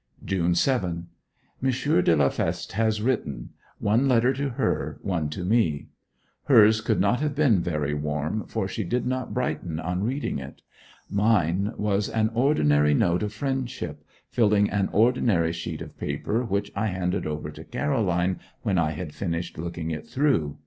June 7 . M. de la Feste has written one letter to her, one to me. Hers could not have been very warm, for she did not brighten on reading it. Mine was an ordinary note of friendship, filling an ordinary sheet of paper, which I handed over to Caroline when I had finished looking it through.